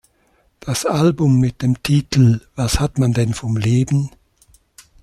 Das Album mit dem Titel "Was hat man denn vom Leben?